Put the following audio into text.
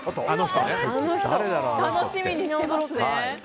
楽しみにしてますね。